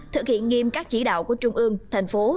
thực hiện nghiêm các chỉ đạo của trung ương thành phố